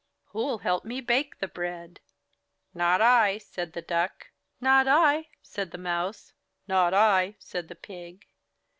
Who'll help me bake the bread?" 62 IN THE NURSERY "Not I," said the Duck. "Not I," said the Mouse. "Not I," said the Pig.